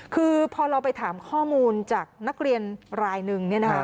คือพอเราไปถามข้อมูลจากนักเรียนรายหนึ่ง